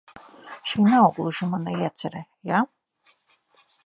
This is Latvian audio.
Šī nav gluži mana iecere, ja?